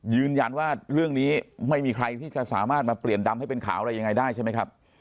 ยืนยันว่าเรื่องนี้ไม่มีใครที่จะสามารถมาเปลี่ยนดำให้เป็นข่าวอะไรยังไงได้ใช่ไหมครับ